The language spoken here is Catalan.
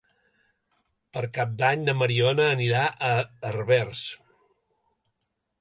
Per Cap d'Any na Mariona anirà a Herbers.